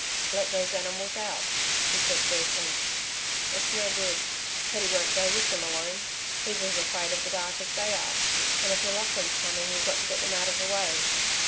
"Let those animals out," he said briefly. "It's no good, Teddy won't go with them alone. He's as afraid of the dark as they are. And if M'Laughlin's coming we've got to get them out of the way."